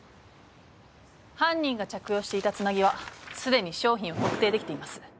犯人が着用していたツナギはすでに商品を特定できています。